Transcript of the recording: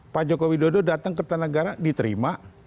pak jokowi dodo datang ke petanegara diterima